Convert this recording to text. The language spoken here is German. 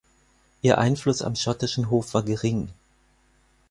Ihr Einfluss am schottischen Hof war gering.